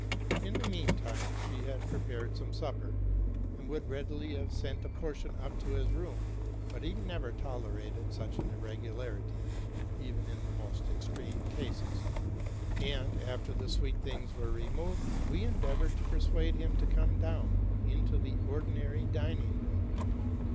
In the mean time she had _ pre pared some supper, and would readily have sent a portion up to his room; but he never tolerated such an irregularity, even in the most extreme cases: and, after the sweet things were removed, we endeavored to persuade him to come down into the ordinary dining room.